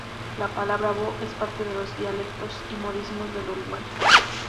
La palabra "bo" es parte de los Dialectos y modismos del Uruguay.